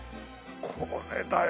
これだよ！